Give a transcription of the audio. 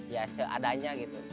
ya ya seadanya gitu